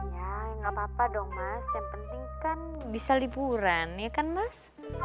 ya nggak apa apa dong mas yang penting kan bisa liburan ya kan mas